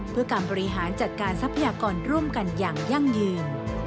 เพื่อการบริหารจัดการทรัพยากรร่วมกันอย่างยั่งยืน